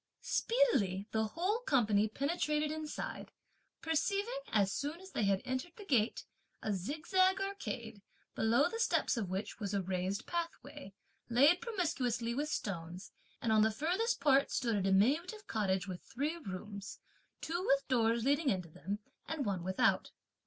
Speedily the whole company penetrated inside, perceiving, as soon as they had entered the gate, a zigzag arcade, below the steps of which was a raised pathway, laid promiscuously with stones, and on the furthest part stood a diminutive cottage with three rooms, two with doors leading into them and one without.